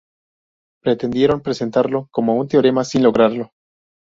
Pretendieron presentarlo como un teorema, sin lograrlo.